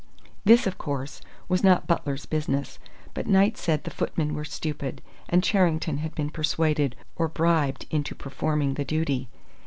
This, of course, was not butler's business, but Knight said the footmen were stupid, and Charrington had been persuaded or bribed into performing the duty.